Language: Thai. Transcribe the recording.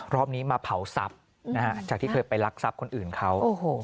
รอบนี้มาเผาทรัพย์จากที่เคยไปรักทรัพย์คนอื่นเขา